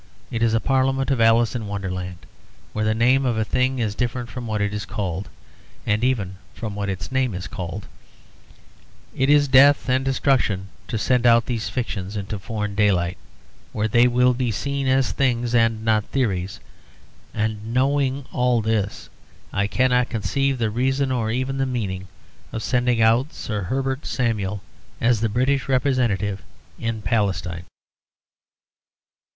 It is a parliament of Alice in Wonderland, where the name of a thing is different from what it is called, and even from what its name is called. It is death and destruction to send out these fictions into a foreign daylight, where they will be seen as things and not theories. And knowing all this, I cannot conceive the reason, or even the meaning, of sending out Sir Herbert Samuel as the British representative in Palestine.